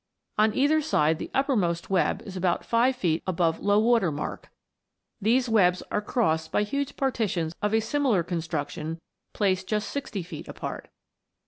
On either side the uppermost web is about five feet above low water mark. These webs are crossed by huge partitions of a similar construction placed just sixty feet apart.